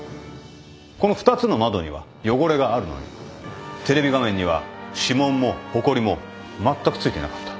この２つの窓には汚れがあるのにテレビ画面には指紋もほこりもまったく付いていなかった。